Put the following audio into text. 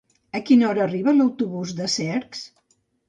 A quina hora arriba l'autobús de Cercs?